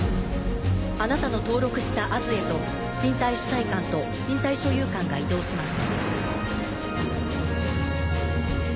あなたの登録した「Ａｓ」へと身体主体感と身体所有感が移動します。